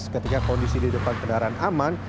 ketika kondisi di depan kendaraan aman